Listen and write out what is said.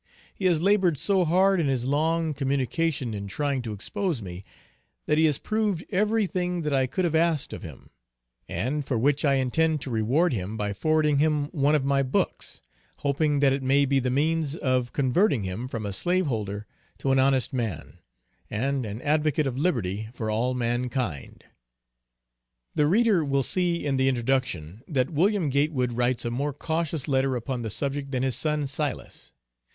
He has labored so hard in his long communication in trying to expose me, that he has proved every thing that I could have asked of him; and for which I intend to reward him by forwarding him one of my books, hoping that it may be the means of converting him from a slaveholder to an honest man, and an advocate of liberty for all mankind. The reader will see in the introduction that Wm. Gatewood writes a more cautious letter upon the subject than his son Silas.